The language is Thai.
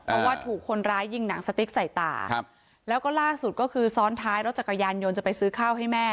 เพราะว่าถูกคนร้ายยิงหนังสติ๊กใส่ตาครับแล้วก็ล่าสุดก็คือซ้อนท้ายรถจักรยานยนต์จะไปซื้อข้าวให้แม่